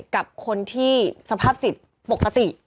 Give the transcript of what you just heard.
กับคนที่สภาพจิตปกติ